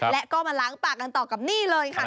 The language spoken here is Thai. และก็มาล้างปากกันต่อกับนี่เลยค่ะ